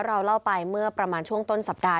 เราเล่าไปเมื่อประมาณช่วงต้นสัปดาห